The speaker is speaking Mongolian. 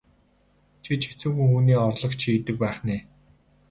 Чи ч хэцүүхэн хүний орлогч хийдэг байх нь ээ?